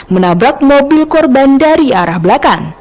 menabrak mobil korban dari arah belakang